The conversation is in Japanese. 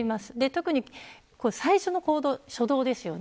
特に最初の行動、初動ですよね。